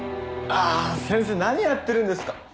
ああ先生何やってるんですか。